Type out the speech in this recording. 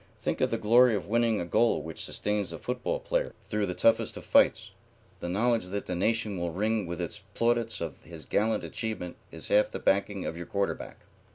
"Think of the glory of winning a goal which sustains the football player through the toughest of fights. The knowledge that the nation will ring with its plaudits of his gallant achievement is half the backing of your quarter back."